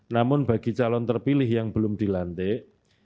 namun bagi calon terpilih yang belum dilantik